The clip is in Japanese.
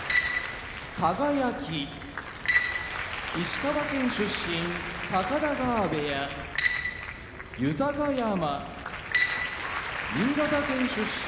輝石川県出身高田川部屋豊山新潟県出身